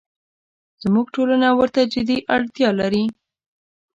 زموږ ټولنه ورته جدي اړتیا لري.